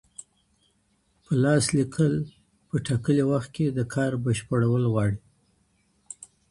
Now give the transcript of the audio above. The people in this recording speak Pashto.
په لاس لیکل په ټاکلي وخت کي د کار بشپړول غواړي.